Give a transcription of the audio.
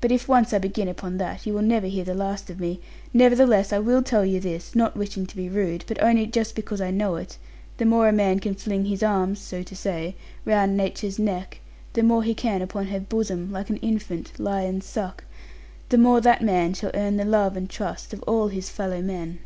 but if once I begin upon that, you will never hear the last of me nevertheless, I will tell you this; not wishing to be rude, but only just because I know it; the more a man can fling his arms (so to say) round Nature's neck, the more he can upon her bosom, like an infant, lie and suck, the more that man shall earn the trust and love of all his fellow men.